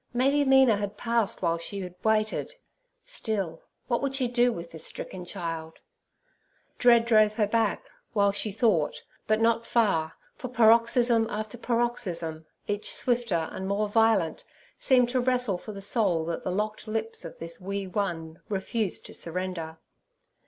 Maybe Mina had passed while she had waited, still, what would she do with this stricken child? Dread drove her back, while she thought, but not far, for paroxysm after paroxysm, each swifter and more violent, seemed to wrestle for the soul that the locked lips of this wee one refused to surrender.